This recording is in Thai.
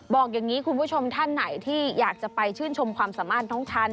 บอกอย่างนี้คุณผู้ชมท่านไหนที่อยากจะไปชื่นชมความสามารถของฉัน